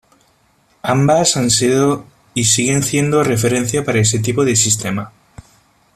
Ambas han sido y siguen siendo referencia para este tipo de sistema.